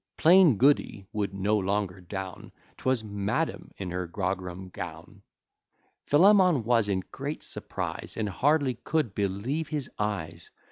"Plain Goody" would no longer down, 'Twas "Madam," in her grogram gown. Philemon was in great surprise, And hardly could believe his eyes.